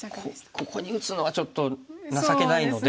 ここに打つのはちょっと情けないので。